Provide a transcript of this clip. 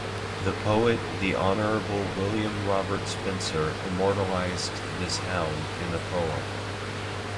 The poet The Honorable William Robert Spencer immortalised this hound in a poem.